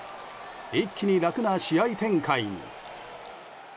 一気に楽な試合展開に。